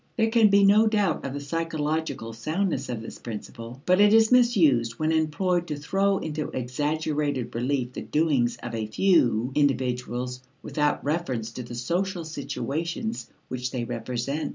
There can be no doubt of the psychological soundness of this principle. But it is misused when employed to throw into exaggerated relief the doings of a few individuals without reference to the social situations which they represent.